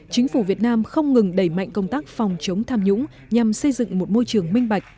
chính phủ việt nam không ngừng đẩy mạnh công tác phòng chống tham nhũng nhằm xây dựng một môi trường minh bạch